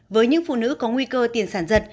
với những phụ nữ có nguy cơ tiền sản giật